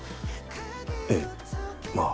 ええまあ。